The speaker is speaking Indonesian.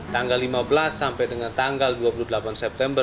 tanggal lima belas sampai dengan tanggal dua puluh delapan september dua ribu dua puluh dua